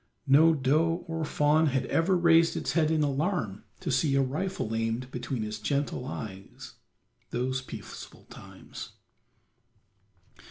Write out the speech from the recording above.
No doe or fawn had ever raised its head in alarm to see a rifle aimed between its gentle eyes those peaceful times.